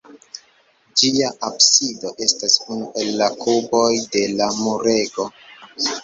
Ĝia absido estas unu el la kuboj de la murego.